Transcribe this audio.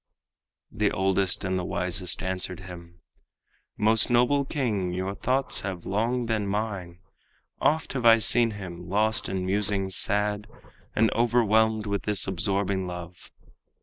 The oldest and the wisest answered him: "Most noble king, your thoughts have long been mine. Oft have I seen him lost in musings sad, And overwhelmed with this absorbing love.